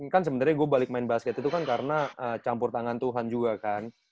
kan sebenarnya gue balik main basket itu kan karena campur tangan tuhan juga kan